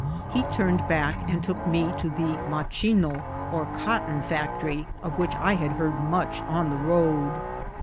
He turned back, and took me first to the machine or cotton factory, of which I had heard much on the road.